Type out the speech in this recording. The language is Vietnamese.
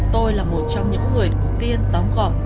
tôi là một trong những người ưu tiên tóm gọn